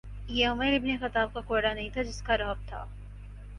یہ عمرؓ ابن خطاب کا کوڑا نہیں تھا جس کا رعب تھا۔